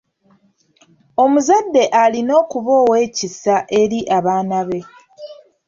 Omuzadde alina okuba ow'ekisa eri abaana be.